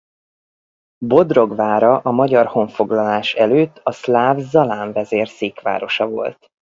Bodrog vára a magyar honfoglalás előtt a szláv Zalán vezér székvárosa volt.